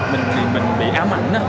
mình bị ám ảnh á